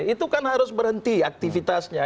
itu kan harus berhenti aktivitasnya